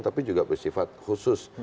tapi juga bersifat khusus